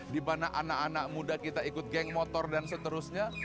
di mana anak anak muda kita ikut geng motor dan seterusnya